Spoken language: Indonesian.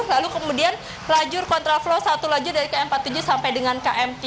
lalu kemudian lajur kontraflow satu lajur dari km empat puluh tujuh sampai dengan km tiga